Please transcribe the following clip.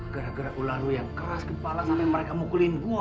gara gara ular lu yang keras kepala sampai mereka mukulin gue